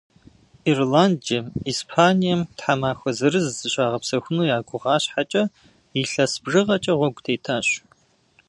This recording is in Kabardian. Ирландием, Испанием тхьэмахуэ зырыз зыщагъэпсэхуну я гугъа щхьэкӏэ, илъэс бжыгъэкӏэ гъуэгу тетащ.